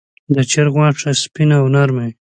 د چرګ غوښه سپینه او نرمه وي.